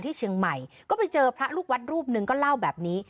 ที่เชียงใหม่ก็ไปเจอพระลูกวัดรูปหนึ่งก็เล่าแบบนี้